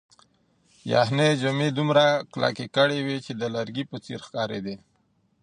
یخنۍ جامې دومره کلکې کړې وې چې د لرګي په څېر ښکارېدې.